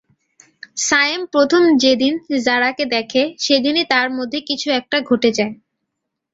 সায়েম প্রথম যেদিন জারাকে দেখে, সেদিনই তার মধ্যে কিছু একটা ঘটে যায়।